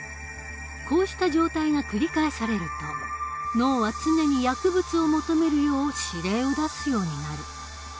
こうした状態が繰り返されると脳は常に薬物を求めるよう指令を出すようになる。